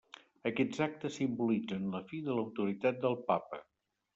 Aquests actes simbolitzen la fi de l'autoritat del Papa.